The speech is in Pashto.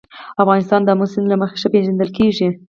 افغانستان د آمو سیند له مخې ښه پېژندل کېږي.